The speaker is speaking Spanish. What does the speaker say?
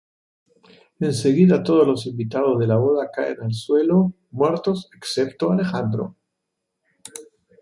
Enseguida todos los invitados de la boda caen al suelo muertos, excepto Alejandro.